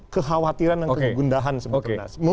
kekhawatiran dan kegundahan sebenarnya